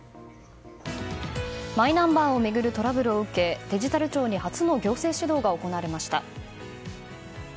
マイナンバーを巡るトラブルを受けデジタル庁に初の行政指導が行われました。